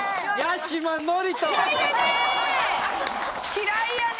嫌いやね！